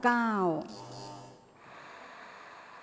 ออกรางวัลที่๖เลขที่๗